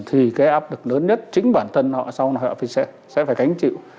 thì cái áp lực lớn nhất chính bản thân họ sau đó sẽ phải cánh chịu